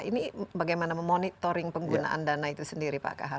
ini bagaimana memonitoring penggunaan dana itu sendiri pak kahar